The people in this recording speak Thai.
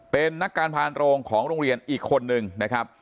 เป็นนักการพานโรงของโรงเรียนอีกคนนึงนะครับ